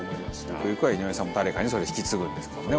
ゆくゆくは、井上さんも誰かにそれを、引き継ぐんですもんね